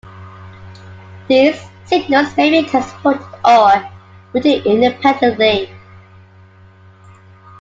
These signals may be transported or routed independently.